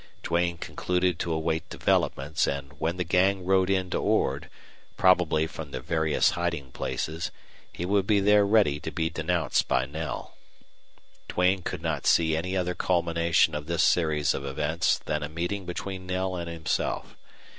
Duane concluded to await developments and when the gang rode in to Ord, probably from their various hiding places, he would be there ready to be denounced by Knell. Duane could not see any other culmination of this series of events than a meeting between Knell and himself.